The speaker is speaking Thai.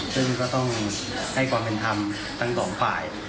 ซึ่งก็ต้องให้ความกันทำทั้ง๒ฝ่าย